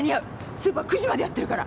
スーパー９時までやってるから。